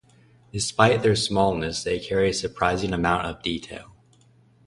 Despite their smallness, they carry a surprising amount of detail.